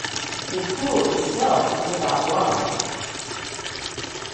The pool itself is about wide.